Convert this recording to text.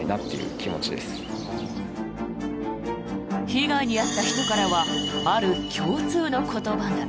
被害に遭った人からはある共通の言葉が。